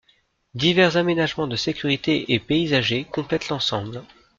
Divers aménagements de sécurité et paysagers complètent l'ensemble.